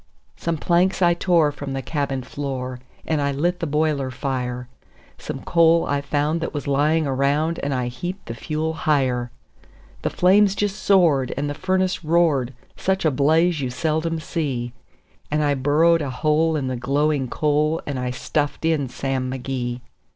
Some planks I tore from the cabin floor, and I lit the boiler fire; Some coal I found that was lying around, and I heaped the fuel higher; The flames just soared, and the furnace roared such a blaze you seldom see; And I burrowed a hole in the glowing coal, and I stuffed in Sam McGee.